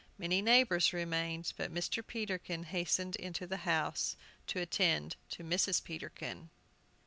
Many neighbors remained, but Mr. Peterkin hastened into the house to attend to Mrs. Peterkin.